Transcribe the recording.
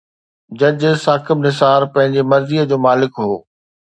جج ثاقب نثار پنهنجي مرضي جو مالڪ هو.